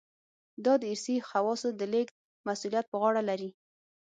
دا د ارثي خواصو د لېږد مسوولیت په غاړه لري.